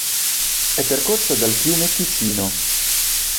È percorsa dal fiume Ticino.